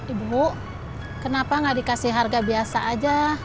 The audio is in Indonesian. ibu kenapa nggak dikasih harga biasa aja